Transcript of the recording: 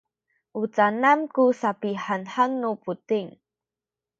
u canan ku sapihanhan nu buting?